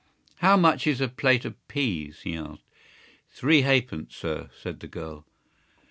"How much is a plate of peas?" he asked. "Three halfpence, sir," said the girl.